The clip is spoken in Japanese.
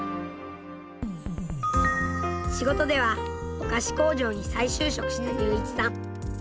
仕事ではお菓子工場に再就職した隆一さん。